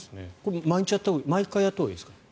毎回やったほうがいいですか？